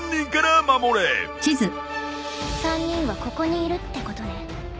３人はここにいるってことね。